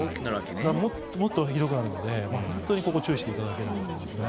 もっともっとひどくなるので注意していただければと思います。